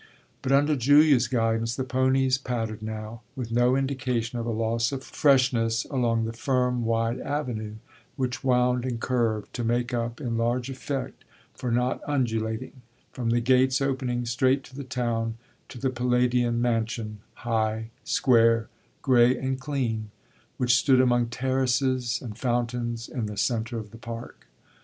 But under Julia's guidance the ponies pattered now, with no indication of a loss of freshness, along the firm, wide avenue which wound and curved, to make up in large effect for not undulating, from the gates opening straight on the town to the Palladian mansion, high, square, grey, and clean, which stood among terraces and fountains in the centre of the park.